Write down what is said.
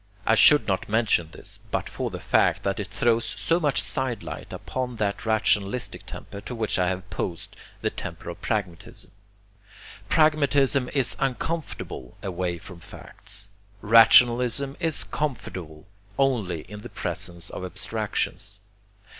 I should not mention this, but for the fact that it throws so much sidelight upon that rationalistic temper to which I have opposed the temper of pragmatism. Pragmatism is uncomfortable away from facts. Rationalism is comfortable only in the presence of abstractions.